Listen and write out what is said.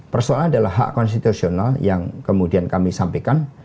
persoalan adalah hak konstitusional yang kemudian kami sampaikan